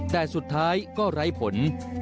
แต่สุดท้ายก็ไร้ผล